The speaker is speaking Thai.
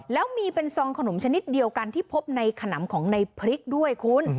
แล้วมีเป็นซองขนมชนิดเดียวกันที่พบในขนำของในพริกด้วยคุณ